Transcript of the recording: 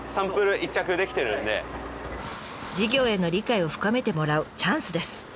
事業への理解を深めてもらうチャンスです。